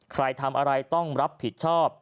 ใครทำอะไรต้องรับผิดชอบ